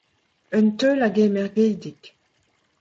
Un teul a gemer Gaedig.